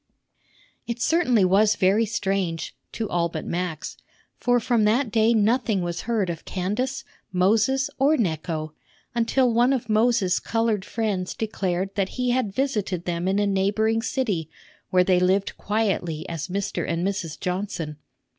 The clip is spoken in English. It certainly was very strange (to all but Max), for from that day nothing was heard of Candace, Moses, or Necho, until one of Moses' colored friends declared that he had visited them in a neighboring city, where they lived quietly as Mr. and Mrs. Johnson.